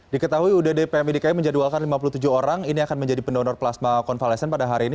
diketahui udd pmi dki menjadwalkan lima puluh tujuh orang ini akan menjadi pendonor plasma konvalesen pada hari ini